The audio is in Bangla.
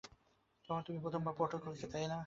তখনই তুমি প্রথমবার পোর্টাল খুলেছিলে, তাই না?